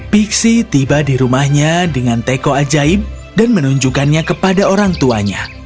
pixie menemukan teko yang berbicara dengan teko ajaib dan menunjukkannya kepada orang tuanya